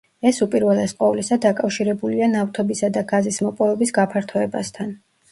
ეს უპირველეს ყოვლისა დაკავშირებულია ნავთობისა და გაზის მოპოვების გაფართოებასთან.